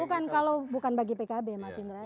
bukan kalau bukan bagi pkb mas indra